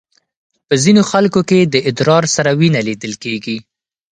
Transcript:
په ځینو خلکو کې د ادرار سره وینه لیدل کېږي.